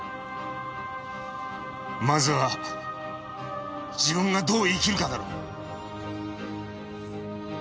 まずは自分がどう生きるかだろ。